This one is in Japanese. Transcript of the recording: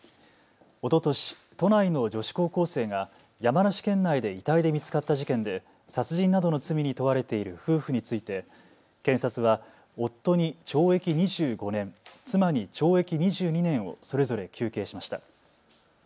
おととし都内の女子高校生が山梨県内で遺体で見つかった事件で殺人などの罪に問われている夫婦について検察は夫に懲役２５年、妻に懲役２２年をそれぞれ求刑しました。